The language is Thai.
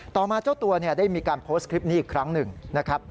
ต่อมาเจ้าตัวได้มีการโพสต์คลิปนี้อีกครั้งหนึ่งนะครับ